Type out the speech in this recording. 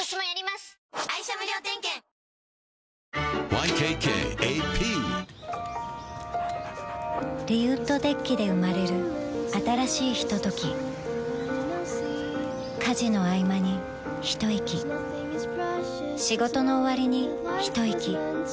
ＹＫＫＡＰリウッドデッキで生まれる新しいひととき家事のあいまにひといき仕事のおわりにひといき